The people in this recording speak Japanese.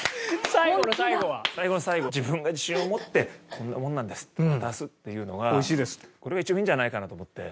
最後の最後自分が自信を持ってこんなものなんですって出すっていうのがこれが一番いいんじゃないかなと思って。